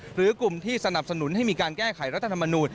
หรือกลุ่มที่สนับสนุนให้มีการแก้ไขรัฐธรรมนูญ